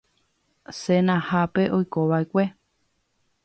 Senahápe oikova'ekue